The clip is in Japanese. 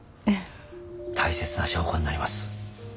大切な証拠になります。